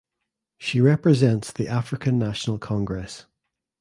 She represents the African National Congress.